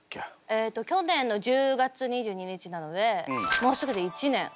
えと去年の１０月２２日なのでもうすぐで１年。